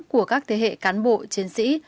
của các thế hệ cán bộ chiến sĩ